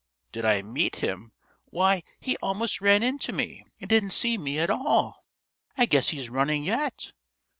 "Did I meet him? Why, he almost ran into me and didn't see me at all. I guess he's running yet.